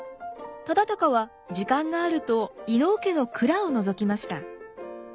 忠敬は時間があると伊能家の蔵をのぞきました。